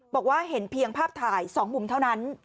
บอกว่าเห็นเพียงภาพถ่าย๒มุมเท่านั้น